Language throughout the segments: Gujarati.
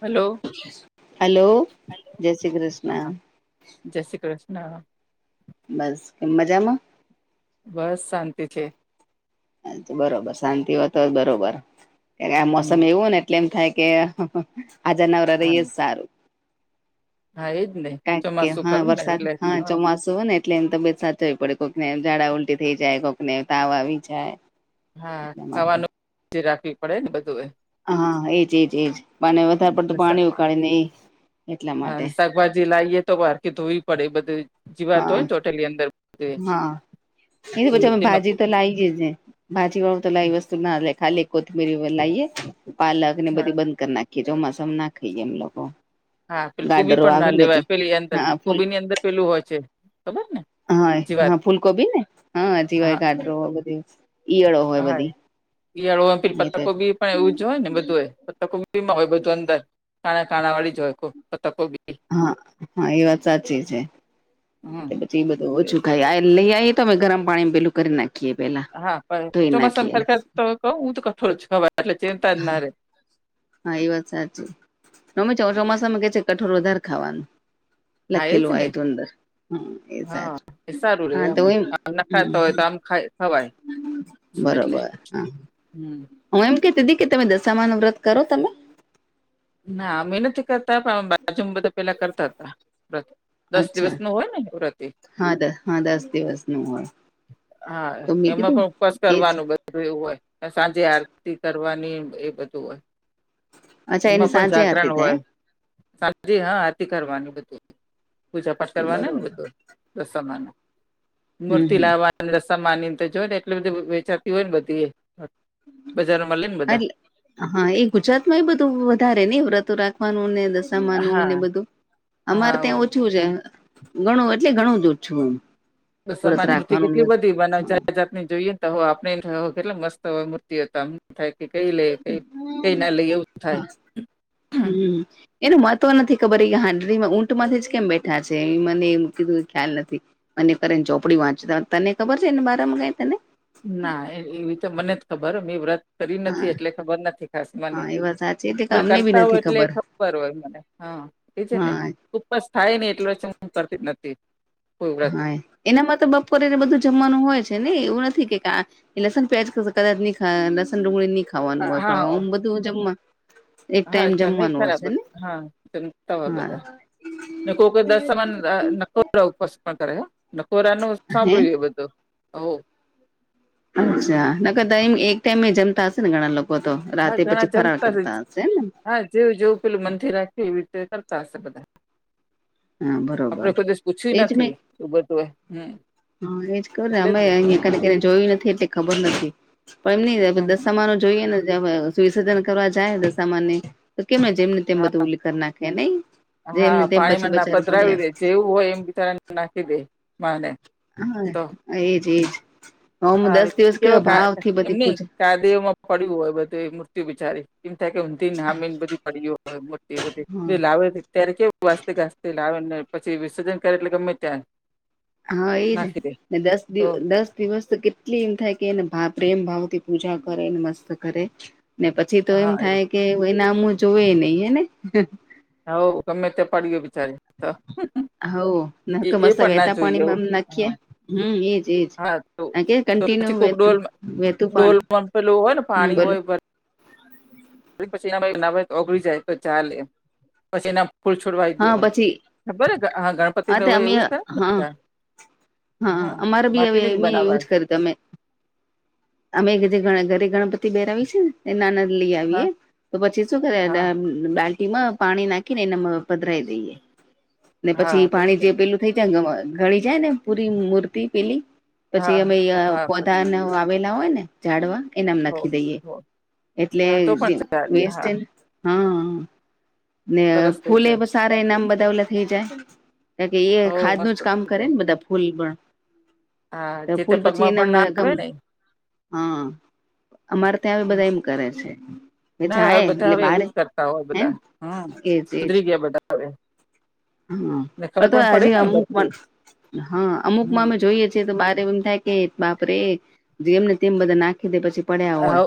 હલો. હલો જય શ્રી હા કૃષ્ણ. હા જય શ્રી કૃષ્ણ. બસ કેમ મજામાં? બસ શાંતિ છે. બરોબર શાંતિ હો તો જ બરોબર આ મોસમ હમ એવું ને એટલે એમ થાય કે હાજા નવરા રહીયે હા તો સારું. હા એજ ને ક કે ચોમાસું હા ખરું ને વરસાદ એટલે હા ચોમાસું હોય ને એટલે એમ તબિયત સાચવવી પડે કોઈકનેમ ઝાડા ઉલટી થઈ જાય કોઈકને તાવ આવી જાય. હા એટલા માટે ખાવાનું રાખવી પડે ને બધું એ. હા એજ એજ એજ પાને વધારે અને પડતું શા પાણી ઉકાળીને એટલા માટે. ભાજી લાવીએ તો વાર કે ધોવી પડે એ બધું જીવાત હા હોય ને ચોટેલી અંદર. બધું એ. હા એ અન પછી અમે તેમાં કુ ભાજી તો લાવીએેજ ભાજી વાળું તો લાઈ વસ્તુ ના ખાલી કોથબીરી વ લઈએ પાલક ને હા બધી બંધ કરી નાખી કીતો મસમ ના ખાઈ એમ લોકો હા પે કુબી ગાડરો પણ આવે ના ને બધી લેવાય પેલી એ અંદર હા ફૂલ કુબી ની અંદર પેલું હોય છે ખબર ને હા જીવાત હા ફૂલકોબી ને હા હાજીવાય ગાડરો બધી ઈયળો હોય હા એ બધી ઈયાળો આપ એ પત્તાકોબી પણ એવું જ હોય ને બધું હો પતા કોબી માં હોય બધું અંદર કાણા કાણા વાળી જ હોય કો પત્તા કોબી હા હા એ વાત સાચી છે. હમ એ બધું એ- ઓછું ખાઈ આ લઈ આવીઈએ તો અમે ગરમ પાણી પેલું કરી નાખી હા ચોમાસા સરખ તો કઉ તો કઠોર જ ખવાય એટલે ચિંતા જ ના રે હા એ વાત સાચી અમે ચોમાસામાં કે છે કઠોર વધારે ખાવાનું હા એ લખેલું જ ને આય તું અંદર હમ એ હા સાચું એ સારું રહે હા તો અમે એમ આમ ના ખાતા હોય તો આમ ખાય ખવાય એટલે બરોબર હા હમ હું એમ કેતી તી કે તમે દશામા નુ વ્રત કરો તમે? ના અમે નથી કરતા પણ બાજુ માં બધા પેલા કરતા હતા વ્રત. દસ અચ્છા દિવસનું હોય ને વ્રત એ. હા દ હા દસ દિવસ નું હોય. હા તો મેં એમાં કીધું પણ ઉપવાસ એજ કરવાનું બ ધું એવું હોય સાંજે આરતી કરવાની એ બધું હોય. અચ્છા એમાં એની પણ સાંજે આરતી જાગરણ થાય હોય સા જી હા આરતી કરવાની બધું પૂજા પાઠ કરવાનું ને બરોબર બધું દસામા ન હમ મૂર્તિ હમ લાવવા રસ્તા માનીને તો જોય ને એટલે બધું વેચાતી હોય ને બધી એ બજારમાં લઈ ને બધા એટલે હા એ ગુજરાત માં એ બધું વધારે ને વ્રત રાખવાનું ને દશામાનું ને હા બધું અમારે હા ત્યાં ઓછું છે ઘણું એટલે ઘણું જ ઓછું હમ દશામાની મૂર્તિ કેટલી બધી બનાવ જાત જાત જોઈએ ને તો હો આપણે કેટલા મસ્તય મૂર્તિ હત થાય કે કઈ લઈએ કઈ કઈ ના લઈ એવું થાય હમ એનું મહત્વ નથી ખબર એ હાંઢડીમાં ઊંટમાંથી કેમ બેઠા છે, એ મને એ કીધું ખ્યાલ નથી. અને કરે ને ચોપડી વાંચતા તને ખબર છે ને બારામાં કઈ તને? ના એવી તો મને જ ખબર મે એ વ્રત કરી હા નથી એટલે ખબર નથી ખાસ મને. હા એ વાત સાચી એટલે કે ભ અમને બી કરતા હોય નથી એટલે ખબર હોય મને હા એ છે ને હા બસ થાય નને એટલે વચ્ હું કરતી નથી કોઈ વ્રત હા એનામાં તો બપોરેને બધું જમવાનું હોય છે ને એવું નથી કે લસણ પ્યાજ કદાચ નહી ખ લસણ ડુંગળી નહી ખાવાનું હોય પણ હા આમ બધું જમવા એક હા ટાઈમ જમે જમવાનું ખરાબ હશે ને હા જમતા હોય હા બધા ન કોઈ દસ ઉપસ પણ કરે ન કોરા ન હે સાંભળ્યું એ બધું હો અચ્છા ન કે દહી એક ટાઈમે જમતા હશે ને ઘણા લોકો તો હા રાતે ઘણા પછી ફરાર જમતા હશે કરતા હશેને હા જેવું જેવું પેલું મંદથી રાખે એવી રીતે કરતા હશે બધા હા આપડે બરોબર કોઈ દિવસ પૂછ્યું એજ મે નથી એ બધું હમ હા એજ ખબર ને એટલે જ અમે અહિયાં કને કને જોયું નથી એટલે ખબર નથી. પણ એમ ન હમ દસામા ન જોઈએ ને સુસર્જન કરવા જાય દસાામાને તો કેમ જેમને તેમ હા બધું ઉ લખ નાખે નહી હા જેમને તેમ પછી પાણીમાં પછી ના પધરાવી દે જેવું હોય એમ બિચારાને નાખી દે માને હા તો એજ એજ હમ દસ દિવસ કેવા ભાવ થી બધી પૂજા કાદેમાં પડ્યું હોય બધું મૃત્યુ બિચારી એમ થાય કે નામીને બધી પડીઓ હોય મોટી હા બધી લાવે અ્યારે કે વાસતે ઘાસતે લાવે ને પછી વિસર્જન કરે એટલે ગમે ત્યાં હા એ નાખી દે છે દસ દિવ તો દસ દિવસ તો કે એટલી એમ થાય કે એ પ્રેમ ભાવ થી પૂજા કરેને મસ્ત કરે ને પછી તો એમ હા થાય. કે એ નામું જોવે નહ હને હવ ગમે ચપાડી ગ વિચારી તો હવ ન એ એ મસ્ત પણ ના વહેતા જોઈએ એવું પાણીમાંમ નાખીએ હા હમ એજ એજ હા તો કે તો કન્ટિન્યુ પછી કોઈક વેતું ડોલ વેતું પણ ડોલમાં પેલું હોય ને હમ પાણી બોલો હોય પછી એના ના ઓગળી જાય તો ચાલે પછી એના ફૂલ છોડવાય હા દેવાય પછી ખબર હા ગણપતિ ન તે હોય અમે એવું જ હા થાય. હા માટીની જ બનાવા ખ તમે અમે એક જે ઘરે ગણપતિ બેહેરાવી છે ને નાના લઈ હા આવીએ તો પછી શું કરે હા બાલ્ટી માં પાણી નાખી ને એના પધરાઈ દઈએ ને પછી હા તે પાણી છે જે ને પેલું થઈ જાય ગળી જાય ને પૂરી મૂર્તિ પેલી પછી હા અમે હા પધા પછી આવેલા હોય ને ઝાડવા એનામ હો લખી દઈએ હો એટલે હા, તો પણ ચાલે હા વસ્ટ હા ને સરસ થઈ ફૂલે જાય સારા નામ બદાવલા થઇ જાય. કે એ હો ખાદ મસ્ત નું જ કામ થઈ કરે જાય ને બધા ફૂલ પણ. હા તો જે તે ફૂલ પછી પગમાં પણ ના એના આવે ને ગમલા હા અમારે ત્યાં હમ. બધા એમ કરે છે. હ ના હવે જાય બધા એટલે હવે એવું બારે જ કરતા હોય હેમ બધા હમ એજ એજ. સુધરી ગયા બધા હવે ને હા ખબર તો પણ પડે હજ ને અમુકમાં બધી હા અમુકમાં હમ અમે જોઈએ. તો બાર એમ થાય કે બાપરેે જેમને તેમ બધા નાખી દે પછી. પડ્યા હ હોય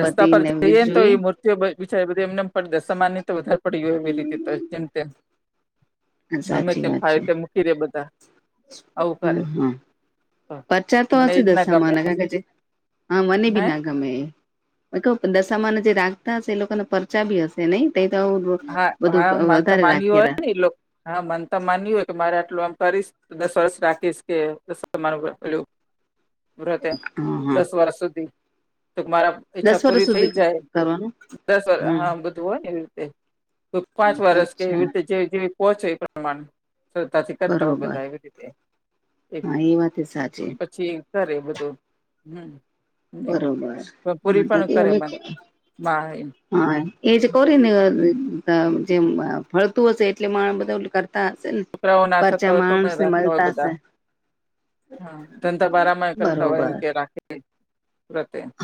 રસ્તા પરચય એન તો જોઈએ મુૂર્તિ. બચ બધી એમને પડ સમાન ની તો વધારે પડી ગયો એવી રીતે જેમ તેમ ગમે તેમ ફાયતે મૂકી રે બધા. આવું હમ કરે હા હા, પરચા તો મને હશે એજ ના ગમે દસમાં ક કે જે હા મને ભી હે ના ગમે. ક દશામાને જે રાખતા હશે એ લોકોને પરર્ચા ભી હશે નહી ત તો હું. હા હા માનતા માન્યું હોય ને એ હા માનતા માન્યું હોય કે મારે આટલું આમ. દસ વર્ષ રાખીશ કેસ તમારું પેલું વ્રતે હા હા દસ વર્ષ સુધી તો મારા દસ ઈચ્છા વર્ષ પૂરી થઈ સુધી જાય કરવાનું દસ વર્ષ હમ હા બધું હોય ને એવી રીતે. કો પાંચ વર્ષ કે એવી અચ્છા રીતે જેવી જેવી પોહોચે એ પ્રમાણે શતાથી. કરતા હોય બરોબર બધા એવી રીતે એક હા એ વાત સાચી પછી. સરરે બધું હમ. બરોબર પૂરી પણ કરે [unintelligible] અમે. માનતા બ એ હા એ જે ક ને હમ. જેમ ફળતું હશે એટલે માણ બધા હશે ને છોકરાઓ ના થતા પરચા હોય તો માણસ પણ ને રાખતા હોય મળતા બધા હશે. હા ત તો બરામા કરતા વયમ બરોબર કે રાખે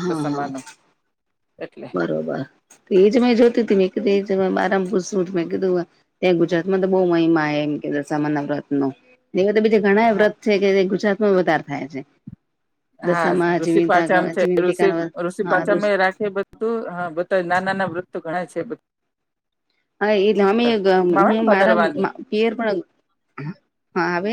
હા હા એટલે બરોબર એ જ મે જોતી હતી મેં કીધ એ બારમાં પૂછવું મેં કીધું. ત્યાં ગુજરાત માં તો બહુ મહિમા એમ કે દશામાના વ્રતનો એવા તો બીજા ઘણા હા વ્રત છે કે જે ગુજરાતમાં વધારે થાય છે. હા દશામાં ઋષિ જીવતા પાચમ છે જીવંતિકા ઋષિ ઋષિ હા રોજ પાચા રાખ બધું હા બધા ના નાના વ્રત ઘણા છે. હા એટલે અમે બધા આવે ને હું ભદરવાની મારા પિયર પણ હા આવે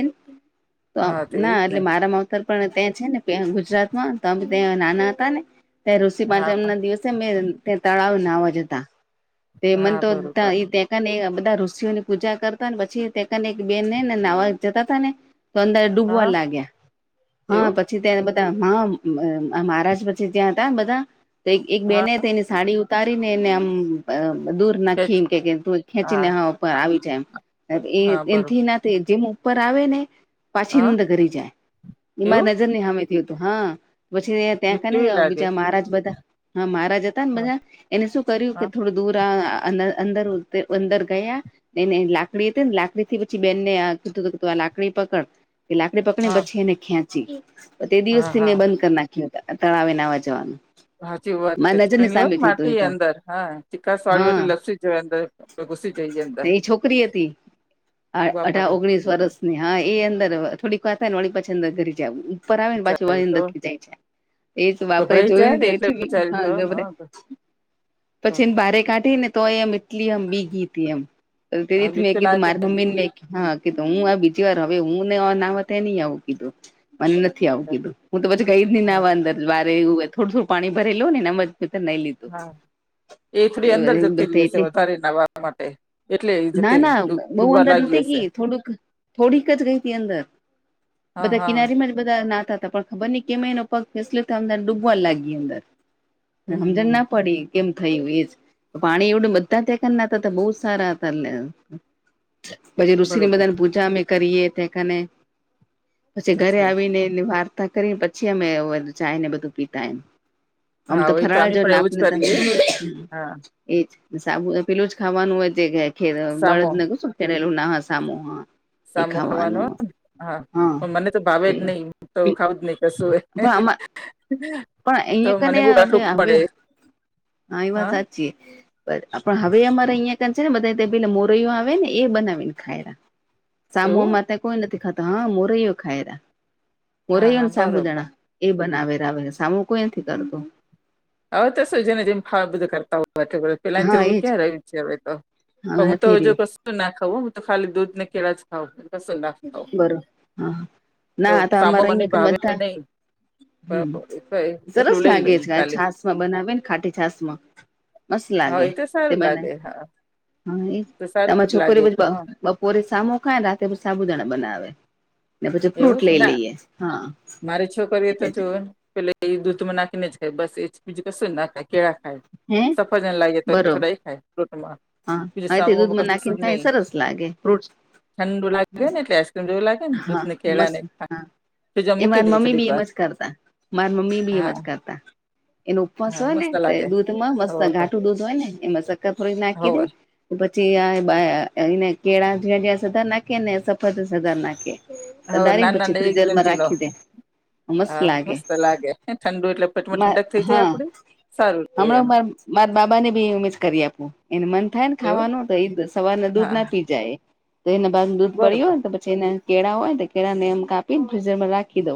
તો હા ના એજ ને એટલે મારામાં પણ ત્યાં છે ને ગુજરાતમાં તોમે ત્યાં નાના હતા ને ત્યાં ઋષિ હા પાચમ ના દિવસે મેં ત્યાં તળાવ નાહવા જતા તે હા મને તો બરોબર ને બધા ઋષિઓની પૂજા કરતા ને પછી ંને એક બેન ને ને નાહવા જતા હતાા ને તો અંદર ડૂબવા હા લાગ્યા હા એવું પી પછી ત્યાં બધા માં મહારાજ પછી ત્યાં હતાને બધા તો એક હા બેને તેની સાડી ઉતારી ને એને આમ દૂર ખેચ ખીમ કે હા ખેંચીને ઉપર આવી જાય એમ હા બરોબર એથી ના જેમ ઉપર આવે ને પાછી હા નંદ ગરી જાય [unintelligible] એવું હમે થય હતું હા પછી ત્યાં બી ક ન કેવી લાગે બીજા મહારાજ બધા હા મહારાજ જતા ને હા બધા એને શું કર્યું કે હા થોડું દૂર અંદર અંદર ગયા. એ લાકડી હતી ને લાકડી થી પછી બેને કીધું કીધું આ લાકડી પકડ કે લાકડી પકડી હા પછી એને ખેંચી તે હા દિવસથી હા મેં બંધ કરી નાખ્યો. તળાવે નાવા જવાનું. હાચી વાત મારી નજર ની ચીકણી હોય ને સામે થયું હતું એ માટી તો અંદર હા ચીકાસ વાળી હો એટલે લસી જોય અંદર ઘુસી જઈએ અંદર તે છોકરી હતી ઉભા અઢાર પારે ઓગણીસ વર્ષ હા એ અંદર થોડીક વાત ને વળી પાછી અંદર ઘરી જાય ઉપર આવે ને પાછી બિચારી વાળી તો અર જાય જાય. એજ વાપરી ગભરાઈ જોયું જાય ને એટલે એટલ બ બિચારી હા તો ગબરે. પછી એને બારે કાઢી ને તો એમ એટલી એમ બીગી હતી એમ. હા બીક તો [unintelligible] લાગે મારી મ્મીને કાઈ હા કીધું હું આ બીજી વાર હવે હું નાવા તઈ નહી આવું કીધું મને. થી હા આવુંકીધું. હું તો પછી કઈ જ નહી આવે અંદરજ વારે થોડું થડું પાણી ભરેઈ લો ને નહીઈ લીધું. હા એ થોડી અંદર જતી રહીશે એટલે વધારે નાવા માટે. એટલે એ ના જતી ના બઉુ ડૂબવા અંદર લાગી નથી હશે ગઈ થોડુંક થોડીકજ ગઈ તી અંદર. હા બધા હા કિનારીમાં. બધા નાતા હતા પણ ખબર નઈ કેમે એનો પગ ફેસલો ત અમને ડૂબવા લાગી અંદર. હમ સમજણ હમ ના પડી કેમ થયું એજ પાણી એવડું બધું. ના બહુત સારા હતા પજ ઋષિની બરોબર મને પૂજા મે. કરીએ તે કાને પછી ઘરે અચ્છા આવીને એ વા તા કરીને પછી અમે ચાય ને બધું પીતામ. હા આમતો હોય તો અમે ફરાળજો પણ એવું જ નાપને. કરીએ હા એજ સાબુ પેલુંજ ખાવાનું હોય તે ખે બળદ સામો ને કશું. કરેલું ના હ સામું હા. એ સામો ખાવાનો ખાવાનું હા પણ મને તો તે ભાવેજ નહી હું તો ખાવુંજ નહી. કશું પણ આમાં પણ તો અહીયા મને કને બહ આટુંક હવે પડે. હા એ વાત સાચી. પણ હવે અમારે અહિયાં કાન છે ને બધા પેલા મોરૈઓ આવે ને એ બનાવી ને ખાયલા. એવું સામુમાં ત કોઈ નથી ખાતો હા મોરૈયો ખાય હા મોરૈયો હા ને બરોબર સાબુદણા. એ બનાવેર આવે સામું કોઈ નથી કરતો. હવે તો શું છે ને જેમ ખા બધું કરતા હોય. પેલા હા જોવું એજ ક્યાં રહ્યું છે હવે તો હા હું તો નથી હ જો રહ્યું કશું ના ખઉું હું તો ખાલી દૂધ ને કેળ. બરોબર હા ના તો સામો અમારે મને અહિયાં ભાવે પણ બધા. નહીં હમ પણ સરસ એટલું લઈ લાગે લઈએ છે ખાલી છાસમાં બનાવે ને ખાટી છાસ માં. મસ્ત હા લાગે એ તો તે સારું બના લાગે હા હ એ તો સારું તમામાં જ લાગે છોકરી છે બધી. હા બપોરે સામો ખાય રાતે સાબુદાણા બનાવે. ને પછી ફ્રૂટ એવું લઈ ના લઈએ હા મારી છોકરીએ એ. તો જો પેલે એ દૂધ માં નાખીને છે બસ એ બીજું કશું ને નાખાય કેળા. ાય હે સફરજન લાગે તો બરોબર થોડા એ ખાય ફૂટમાં. હા હવે તે દૂધમાં નાખીને કઈ સરસ લાગે ફ્રૂટ. ઠંડું લે ને એટલે આઈસ્ક્રીમ જેવું લાગેને દૂધ ને કેળા મસ ને હા. જો એ મૂકી માર દઈએ મમ્મી થોડીક બી વાર એમજ કરતા માર મમ્મી બી એમજ કરતા. એનો ઉપવાસ હોય ને તો દૂધમાં મસ્ત ઘાટું દૂધ હોય ને એમાં સક્કર થોડી નાખી દે પછી કેળા જં જ્યાં સધા નાખે ને સફદ સધા નાખે. ના ધારીને ના પછી ના એકદમ ફ્ર્રીજરમાં ઝીણો રાખી દે. મસ્ત હા લાગે મસ્ત લાગે ઠંડુ એટલે પેટમાં ઠંડક થઈ જાય હા આપડે. હમણાં મા મારા બાબા ને બી ઉમેજ કરી આપું એને મન થાય ને એવું ખાવાનું તો એ સવારને દૂધ હા ના પી જાય તો એના બાદ દૂધ પડ બરોબર હોય ને તો પછી પછ એના કેળા હોય કેળા ને એમ કાપીને ફ્રીઝર માં રાખી દઉ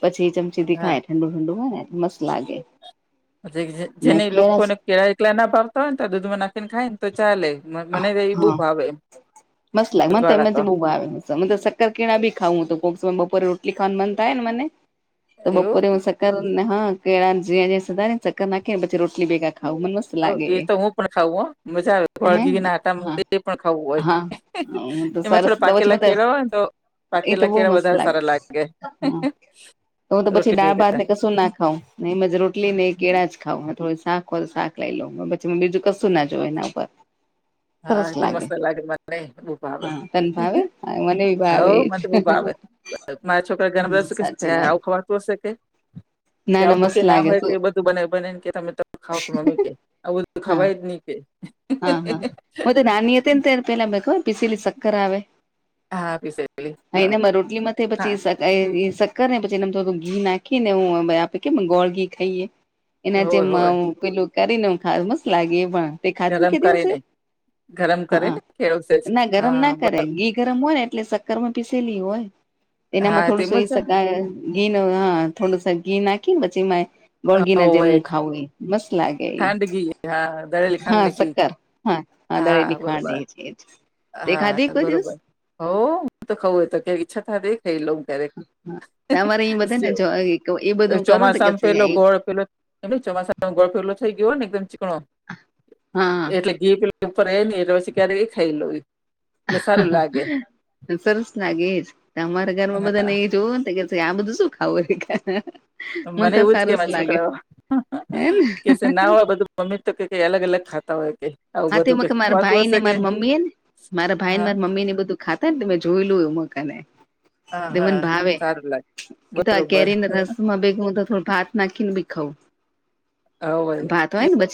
પછી એ ચમચી હા દેખાય. ઠડુ ઠંડુ ને મસ્ત લાગે. જેને લોકોને કેળા એકલા ના ભાવતા હોય ને તો દૂધમાં નાખીને ખાય ને તો ચાલે. મને તો ઈ બવ હા ભાવે. એમ મસ્ત લાગે દૂધ મને વાળા તોમાં તો જે બ. સક્કર કીણા ભ ખાઉં તો બપોરે રોટલી ખાવા મન થાય મને તો એવું બપોરેમા ર હા કેળા સધારી ને ચકર નાખનેછી રોટલી બેગા ખાવ મ મસ્ત. હ એ તો હું પણ ખાવું મજા આવે હે વાળગી ના આટા હા એ પણ ખાવું હોય. હા તો એમાં સરસ થોડો તો પછી પાકેલા કેળય તો એ તો પાકેલા બહુ કેળાં મસ્ત વધારે સારા લાગે. તો હું તો પછી રોટલી દાળ ભેગા ભાતને કશું ના ખાવં એમજ રોટલી ને કેળા જ ખાવ થોડી શાક હોય તો શાક લઈ લઉં પછી બીજું કશું ના જોય એના ઉપર હા તો મસ્ત લાગે મ નહી ઉભાવે હા તને ભાવે હ હા મને બી હ ભાવે હવ એજ મન તો બોઉ ભાવે. મારા છોકરા ઘણા બધા કે સાચી વાત આવું ખવાડતું હશે કે ના આવું કે મસ્ત ના લાગે હોય કે શું બધ બ બનેને કે તમે તો ખાવ કે મમી કે આવ બધું હા ખાવાય નહી કે હા હા મ નાાન એતે પેલા પસીલી સકર આવેે હા પીસેલી હા હનેમાં રોટલીમાંથી હા પછી સક્કર ને પછી એને થોું ઘી નાખી ને હું આપે કે ગોળ ઘી ખાઈએ. એના હોય હોય જેમમાં પેલું કરીને હું ખાવું મસ્ત લાગે એ પણ. ખાધું ગરમ કે દિવસે કરીને. ગરમ હા કરીને ખેડવશે જ ના ગરમ હા ના કરે બ- ઘી ગરમ હોય ને એટલે માં પીસેલી હોય એનામાં હા થોડું સોઈ તેમજ શકાય ઘી ન હા થોડુંસ ઘી નાખી પછી એમાં બોળગી ના હોય જેમું ખાવું એ મસ્ત લાગે એ ખાંડ ઘી હા દળેલી ખાંડ હા ને ઘી હા હા દળેલી ખાંડ છે એ જ એ જ. હા બરોબર હો હું તો ખઉું એ તો કે ઈચ્છા થ દ થઈ લઉ ક્યારેક તમારે એ બધા ને એ બધું કરું તો કે ચોમાસામાં પેલો ગોળ પેલો એમ ચોમાસામાં ગોળ ફેરલો થઈ ગયો ને એકદમ ચીકણો હા એટલે જે પે ઉપર એ એટલે પછ ક્યારે એ ખાઈ લો એટલે સારું લાગે સરસ લાગે તમારા ઘરમાં બધા નને જોવું ને આ બધું શું? ખાવું મને તો એવું જ કે સારું મારા લાગે છોકરાઓ હેને કે ના બધું મમ્મી તો કે અલગ અલગ ખાતા [inaudible] હા તોમાં કે મારા ખવાતું ભાઈ ને હશે કે મારી મમ્મી એ ને મારા ભાઈ ને હા મારી મમ્મી ને બધું ખાતા ને ત મેમે જોયલું એ મકાને હા તે મને હા ભાવે સારું લાગે તો આ બરોબર કેરીને રસમાં બેગ તો થોડું ભાત નાકીન બીખાાવ હ ભાઈ તો ને બછી